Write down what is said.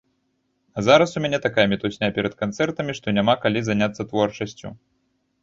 А зараз у мяне такая мітусня перад канцэртамі, што няма калі заняцца творчасцю.